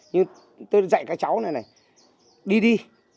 nhưng tôi dạy các cháu này này đi đi